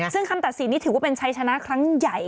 ซึ่งคำตัดสินนี่ถือว่าเป็นชัยชนะครั้งใหญ่